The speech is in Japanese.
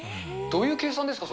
どういう計算ですか？